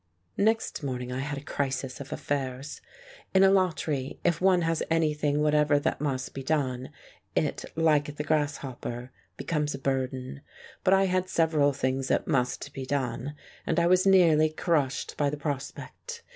Next morning I had a crisis of affairs. In Alatri, if one has anything whatever that must be done, it, like the grasshopper, becomes a burden. But I had several things that must be done, and I was nearly crushed by the prospect.